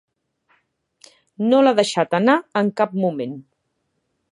No l'ha deixat anar en cap moment.